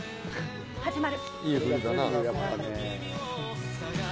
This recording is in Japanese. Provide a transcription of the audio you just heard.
始まる。